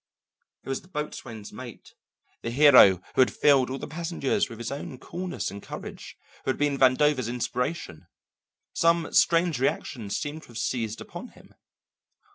It was the boatswain's mate, the hero who had filled all the passengers with his own coolness and courage, who had been Vandover's inspiration. Some strange reaction seemed to have seized upon him.